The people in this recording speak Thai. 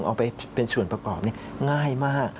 เอาไปเป็นส่วนประกอบง่ายมาก